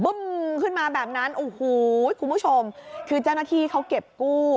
ึ้มขึ้นมาแบบนั้นโอ้โหคุณผู้ชมคือเจ้าหน้าที่เขาเก็บกู้